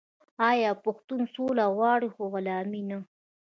آیا پښتون سوله غواړي خو غلامي نه؟